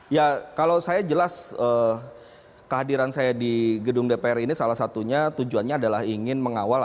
ya kalau saya jelas kehadiran saya di gedung dpr ini salah satunya tujuannya adalah ingin mengawal